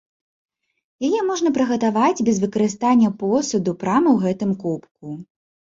Яе можна прыгатаваць без выкарыстання посуду прама ў гэтым кубку.